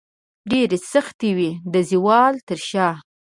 ډیرې سختې وې د زوال تر شاه